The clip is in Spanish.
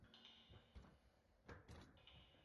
Esta especie es de uso común para curar la diarrea.